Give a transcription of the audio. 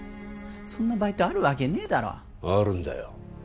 そんなバイトあるわけねえだろあるんだよ